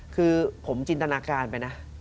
คือผมจินตนาการไปนะ